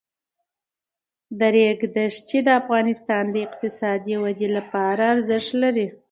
د ریګ دښتې د افغانستان د اقتصادي ودې لپاره ارزښت لري.